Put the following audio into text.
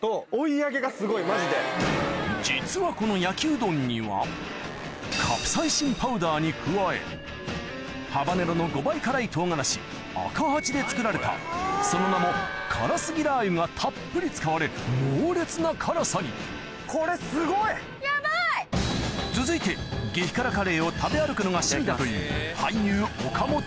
・実はこの焼きうどんにはに加えハバネロの５倍辛い唐辛子アカハチで作られたその名も「辛すぎラー油」がたっぷり使われ猛烈な辛さに続いて激辛カレーを食べ歩くのが趣味だという